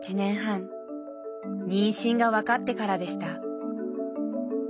妊娠が分かってからでした。